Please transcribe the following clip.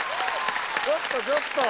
ちょっとちょっと！